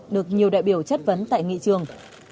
được nhiều đại biểu chất vấn tại nghị trường